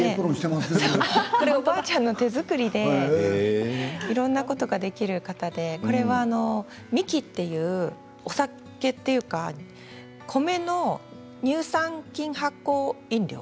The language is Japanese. これおばあちゃんの手作りでいろんなことができる方でこれは神酒というお酒というか米の乳酸菌、発酵飲料。